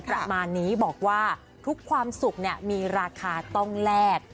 ประมาณนี้บอกว่าทุกความสุขมีราคาต้องแลก